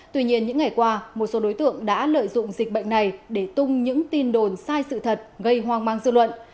tuy nhiên những ngày qua một số đối tượng đã lợi dụng dịch bệnh này để tung những tin đồn sai sự thật gây hoang mang dư luận